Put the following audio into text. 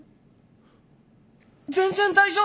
全然大丈夫！